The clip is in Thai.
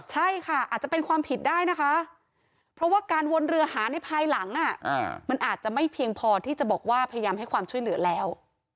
ใช่ค่ะอาจจะเป็นความผิดได้นะคะเพราะว่าการวนเรือหาในภายหลังมันอาจจะไม่เพียงพอที่จะบอกว่าพยายามให้ความช่วยเหลือแล้ว